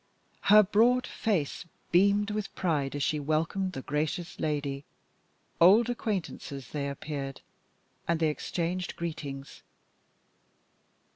Her broad face beamed with pride as she welcomed the gracious lady. Old acquaintances they appeared, and they exchanged greetings.